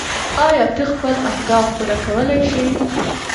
ایا ته خپل اهداف پوره کولی شې؟